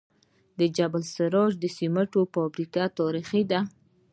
د جبل السراج سمنټو فابریکه تاریخي ده